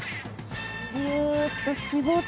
ぎゅっと絞って。